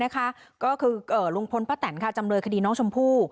ก็คือลุงพลป้าแตนจำเลยคดีน้องชมพู่